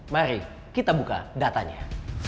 mari kita buka datanya